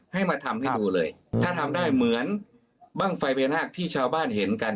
ให้มาทำให้ดูเลยถ้าทำได้เหมือนบ้างไฟพญานาคที่ชาวบ้านเห็นกัน